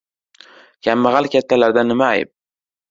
— Kambag‘al kattalarda nima ayb?